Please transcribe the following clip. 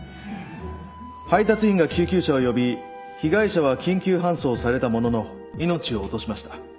配達員が救急車を呼び被害者は緊急搬送されたものの命を落としました。